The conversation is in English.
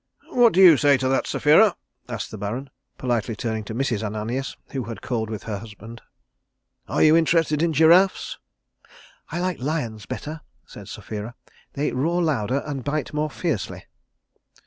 "What do you say to that, Sapphira?" asked the Baron, politely turning to Mrs. Ananias, who had called with her husband. "Are you interested in giraffes?" "I like lions better," said Sapphira. "They roar louder and bite more fiercely."